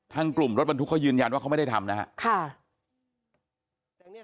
ทั้งกลุ่มรถบรรทุกเค้ายืนยันว่าเค้าไม่ได้ทำนะครับค่ะ